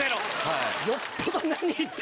はい。